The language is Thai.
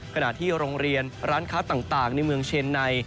ขณะที่โรงเรียนร้านค้าต่างในเมืองเชนใน